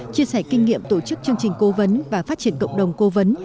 chia sẻ kinh nghiệm tổ chức chương trình cố vấn và phát triển cộng đồng cố vấn